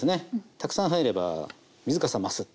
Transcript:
たくさん入れば水かさ増すっていう。